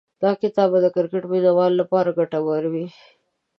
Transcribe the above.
دا کتاب به د کرکټ مینه والو لپاره ګټور وي.